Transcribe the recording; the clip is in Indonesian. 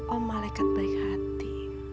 oh malaikat baik hati